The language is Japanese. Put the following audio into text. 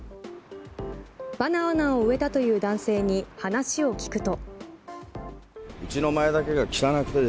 バナナを植えたという男性に話を聞くと。